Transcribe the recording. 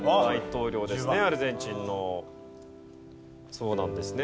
そうなんですね